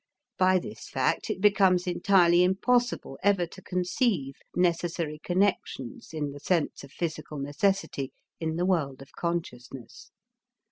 By this fact it becomes entirely impossible ever to conceive necessary connections in the sense of physical necessity in the world of consciousness.